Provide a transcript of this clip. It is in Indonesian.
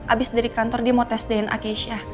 abis dari kantor dia mau tes dna aisyah